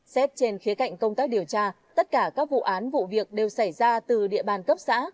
xét trên khía cạnh công tác điều tra tất cả các vụ án vụ việc đều xảy ra từ địa bàn cấp xã